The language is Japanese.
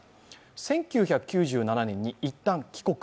１９９７年に、いったん帰国。